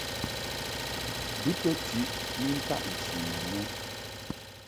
Bɨ to tiʼ ni ntaʼ nchi ma no.